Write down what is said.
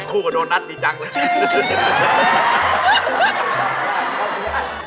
คู่กับโดนัทดีจังเลย